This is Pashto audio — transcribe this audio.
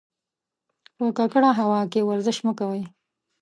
په ککړه هوا کې ورزش مه کوئ.